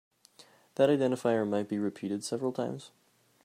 That identifier might be repeated several times.